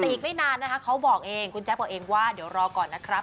แต่อีกไม่นานนะคะเขาบอกเองคุณแจ๊บบอกเองว่าเดี๋ยวรอก่อนนะครับ